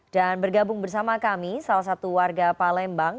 dan bergabung bersama kami salah satu warga palembang